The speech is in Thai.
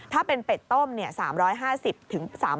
ถ้าเป็นเป็ดต้ม๓๕๐๓๘๐บาท